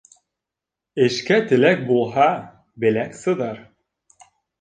Эшкә теләк булһа, беләк сыҙар.